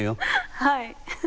はい。